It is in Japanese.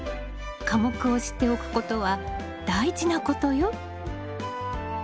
科目を知っておくことは大事なことよ。